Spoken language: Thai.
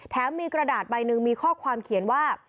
มีกระดาษใบหนึ่งมีข้อความเขียนว่า